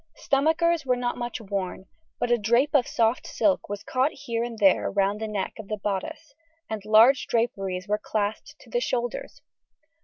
Stomachers were not much worn, but a drape of soft silk was caught here and there round the neck of bodice, and large draperies were clasped to the shoulders.